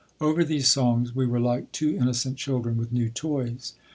Over these songs we were like two innocent children with new toys.